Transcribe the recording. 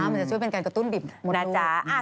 อ๋อมันจะช่วยเป็นการกระตุ้นบีบหมดลูกนะจ๊ะ